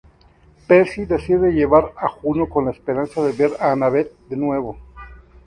Percy decide llevar a Juno con la esperanza de ver a Annabeth de nuevo.